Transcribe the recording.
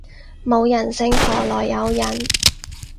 冇人性何來有人